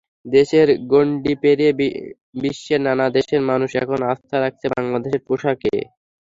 দেশের গণ্ডি পেরিয়ে বিশ্বের নানা দেশের মানুষ এখন আস্থা রাখছে বাংলাদেশের পোশাকে।